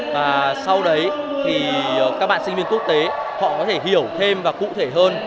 và sau đấy thì các bạn sinh viên quốc tế họ có thể hiểu thêm và cụ thể hơn